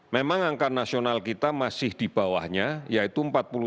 memang angka nasional kita masih di bawahnya yaitu empat puluh satu empat puluh delapan